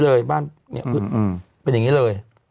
เป็นอย่างนี้เลยเป็นอย่างนี้เลย